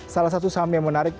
salah satu saham yang menarik